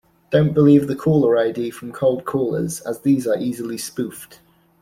Don't believe the caller id from cold callers as these are easily spoofed.